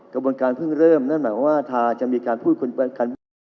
กระบวนการเพิ่งเริ่มนั่นหมายความว่าทาจะมีการพูดคุยกันว่า